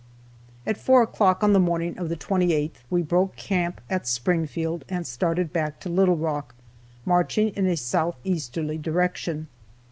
At 4 o'clock on the morning of the 28th we broke camp at Springfield, and started back to Little Rock, marching in a south easterly direction.